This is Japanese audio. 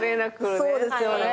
そうですよね。